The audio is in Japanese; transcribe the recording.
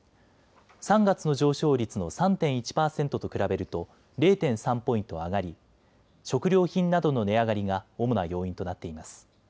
３月の上昇率の３．１％と比べると０．３ポイント上がり食料品などの値上がりが主な要因となっています。